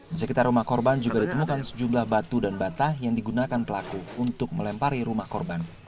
di sekitar rumah korban juga ditemukan sejumlah batu dan batah yang digunakan pelaku untuk melempari rumah korban